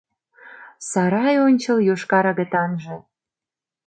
Сарай ончыл йошкар агытанже